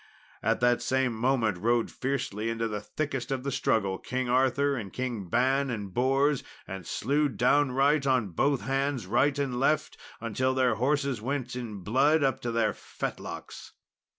At that same moment rode fiercely into the thickest of the struggle King Arthur and Kings Ban and Bors, and slew downright on both hands right and left, until their horses went in blood up to the fetlocks.